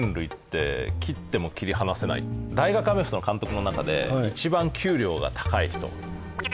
大学アメフトの監督の中で一番給料が高い人。